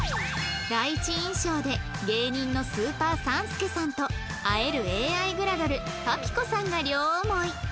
第一印象で芸人のスーパー３助さんと会える ＡＩ グラドルパピコさんが両思い